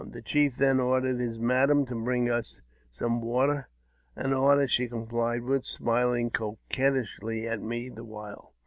The chief then ordered his madam to bring us some water, an order she complied with, smiling coquettishly at me the while.